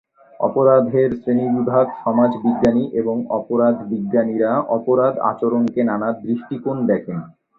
অপরাধের শ্রেণিবিভাগ সমাজবিজ্ঞানী এবং অপরাধবিজ্ঞানীরা অপরাধ আচরণকে নানা দৃষ্টিকোণ দেখেন।